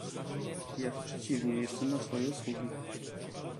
"ja to przeciwnie jestem na twoje usługi."